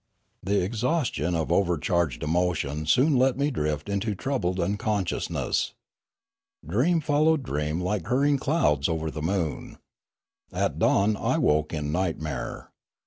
The exhaustion of overcharged emotion soon let me drift into troubled unconsciousness. Dream followed dream like hurrying clouds over the moon. At dawn I woke in nightmare.